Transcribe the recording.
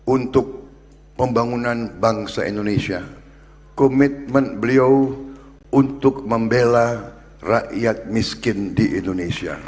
untuk pembangunan bangsa indonesia komitmen beliau untuk membela rakyat miskin di indonesia